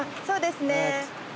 そうですね。